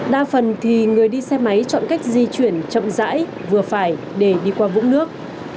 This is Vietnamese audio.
đa phần thì người đi xe máy chọn cách di chuyển chậm dãi vừa phải để đi qua vũng nước